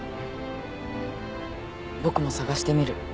僕も探してみる。